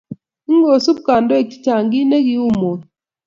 ingosub kandoik chechang kiit nekiuu Moi